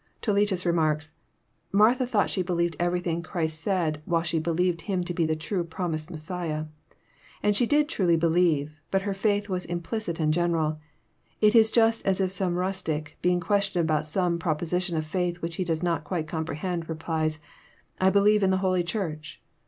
Toletns remarks :'* Martha thought she believed everything Christ said, while she believed Him to be the trae promised Messiah. And she did truly believe, but her faith was implicit and general. It is just as if some rustic, being questioned about some proposition of faith which he does not quite com prehend, replies, ' I bejieve in the Holy Church.'